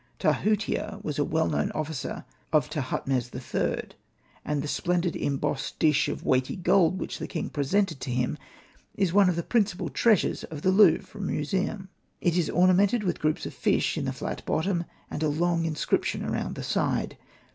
Tahucia was a well known officer of Tahutmes III. ; and the splendid embossed dish of weighty gold which the king presented to him is one of the principal treasures of the Louvre museum. It is ornamented with groups of fish in the flat bottom, and a long inscription around the side.